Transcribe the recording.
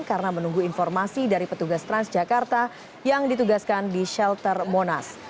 karena menunggu informasi dari petugas transjakarta yang ditugaskan di shelter monas